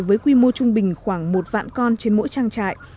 với quy mô trung bình khoảng một vạn con trên mỗi trang trại